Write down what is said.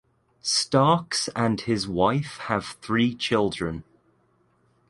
Starks and his wife have three children.